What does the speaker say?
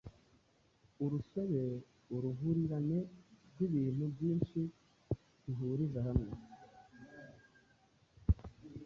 Urusobe: uruhurirane rw’ibintu byinshi bihuriza hamwe